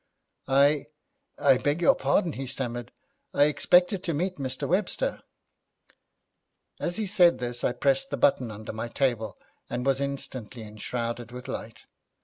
'I I beg your pardon,' he stammered, 'I expected to meet Mr. Webster.' As he said this, I pressed the button under my table, and was instantly enshrouded with light.